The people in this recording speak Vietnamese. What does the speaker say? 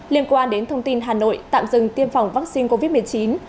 liên quan đến thông tin hà nội tạm dừng tiêm phòng vaccine covid một mươi chín